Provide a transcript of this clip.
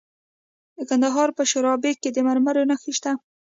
د کندهار په شورابک کې د مرمرو نښې شته.